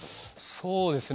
そうですね。